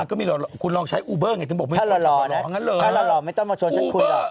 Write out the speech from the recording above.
มันก็มีหรอกคุณลองใช้อูเบอร์ไงถ้าหล่อไม่ต้องมาชวนฉันคุยหรอก